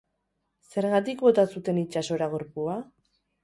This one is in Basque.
Zergatik bota zuten itsasora gorpua?